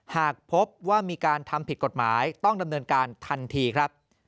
หากพบว่ามีการทำผิดกฎหมายต้องดำเนินการทันทีครับ